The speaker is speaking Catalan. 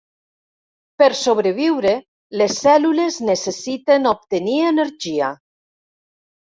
Per sobreviure, les cèl·lules necessiten obtenir energia.